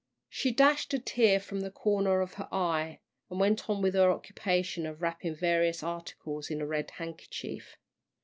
She dashed a tear from the corner of her eye, and went on with her occupation of wrapping various articles in a red handkerchief.